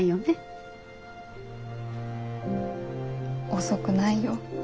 遅くないよ。